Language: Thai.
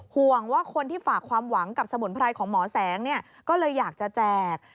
ห่วงว่าคนที่ฝากความหวังกับสมุนไพรของหมอแสงเนี่ยก็เลยอยากจะแจก